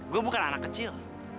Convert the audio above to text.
gue bukan anak kecil